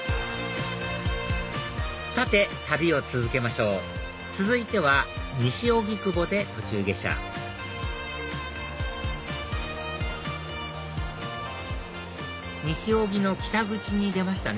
さて旅を続けましょう続いては西荻窪で途中下車ニシオギの北口に出ましたね